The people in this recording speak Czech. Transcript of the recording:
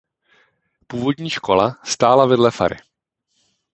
Původní škola stála vedle fary.